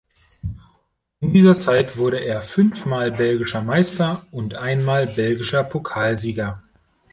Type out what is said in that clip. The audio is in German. In dieser Zeit wurde er fünfmal belgischer Meister und einmal belgischer Pokalsieger.